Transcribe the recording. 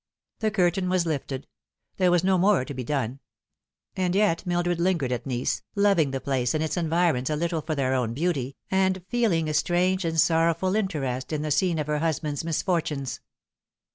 The curtain was lifted. There was no more to be done. And yet Mildred lingered at Nice, loving the place and its environs a little for their own beauty, and feeling a strange and sorrowful interest in the scene of her husband's misfortunes.